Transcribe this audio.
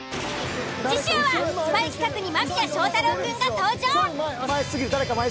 次週はスパイ企画に間宮祥太朗くんが登場。